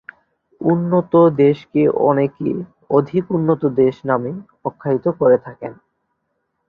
উন্নত দেশকে অনেকে "অধিক উন্নত দেশ" নামে আখ্যায়িত করে থাকেন।